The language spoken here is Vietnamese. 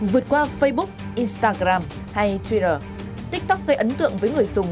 vượt qua facebook instagram hay twiter tiktok gây ấn tượng với người dùng